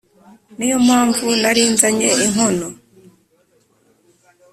ni yo mpamvu nari nzanye inkono